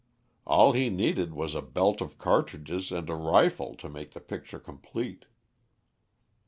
All he needed was a belt of cartridges and a rifle to make the picture complete.